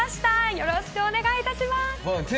よろしくお願いします。